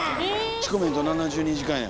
「チコメント７２時間」や。